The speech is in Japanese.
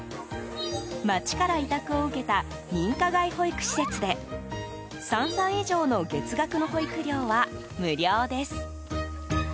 町から委託を受けた認可外保育施設で３歳以上の月額の保育料は無料です。